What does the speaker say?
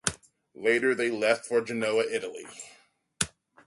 Later they left for Genoa, Italy.